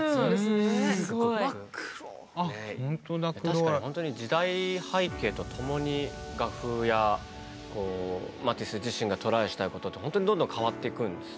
確かにほんとに時代背景とともに画風やマティス自身がトライしたいことってほんとにどんどん変わっていくんですね。